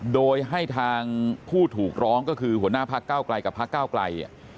โดยให้ทางผู้ถูกร้องก็คือหัวหน้าพักเก้าไกลกับพักเก้าไกล